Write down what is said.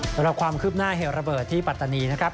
สำหรับความคืบหน้าเหตุระเบิดที่ปัตตานีนะครับ